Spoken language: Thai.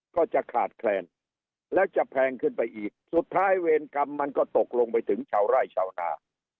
ก็จะขาดแคลนแล้วจะแพงขึ้นไปอีกสุดท้ายเวรกรรมมันก็ตกลงไปถึงชาวไร่ชาวนา